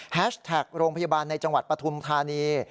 แท็กโรงพยาบาลในจังหวัดปฐุมธานี